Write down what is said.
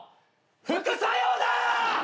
副作用だ！